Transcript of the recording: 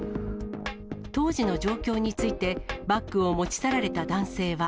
当時の状況について、バッグを持ち去られた男性は。